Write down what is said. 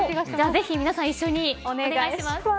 ぜひ皆さん一緒にお願いします。